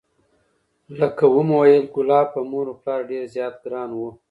لکه ومو ویل کلاب په مور و پلار ډېر زیات ګران و،